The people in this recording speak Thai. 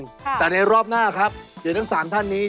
ค่ะอย่างนี้รอบหน้าครับเดี๋ยวทั้งสามท่านนี้